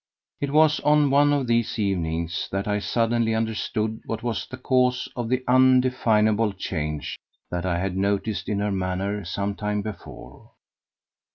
It was on one of these evenings that I suddenly understood what was the cause of the undefinable change that I had noticed in her manner some time before.